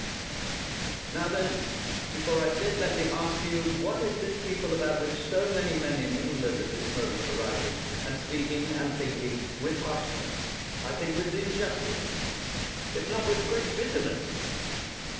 Now, then, before I sit down, let me ask you what is this people, about which so many men in England at this moment are writing, and speaking, and thinking, with harshness, I think with injustice, if not with great bitterness?